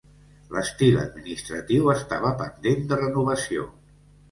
L'estil administratiu estava pendent de renovació.